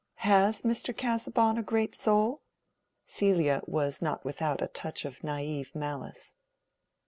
"Has Mr. Casaubon a great soul?" Celia was not without a touch of naive malice.